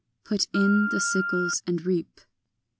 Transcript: Put in the sickles and reap.